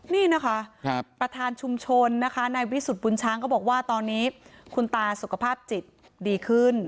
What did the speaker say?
นี่นะคะประธานชุมชนนะคะนายวิสุทธิบุญช้างก็บอกว่าตอนนี้คุณตาสุขภาพจิตดีขึ้น